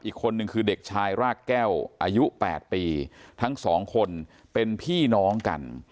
อีกคนนึงคือเด็กชายรากแก้วอายุ๘ปีทั้งสองคนเป็นพี่น้องกัน